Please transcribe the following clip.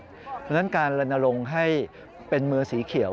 เพราะฉะนั้นการลนลงให้เป็นมือสีเขียว